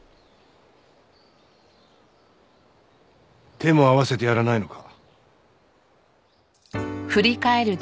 手も合わせてやらないのか？